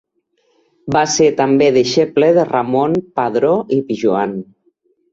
Va ser també deixeble de Ramon Padró i Pijoan.